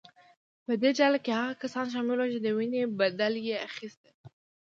په دې ډله کې هغه کسان شامل وو چې د وینې بدله یې اخیسته.